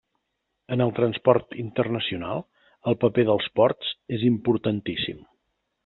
En el transport internacional el paper dels ports és importantíssim.